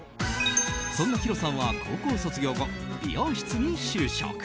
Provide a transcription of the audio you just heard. そんなヒロさんは高校卒業後、美容室に就職。